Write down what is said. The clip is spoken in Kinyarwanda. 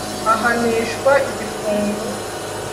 Ahanishwa igifungo.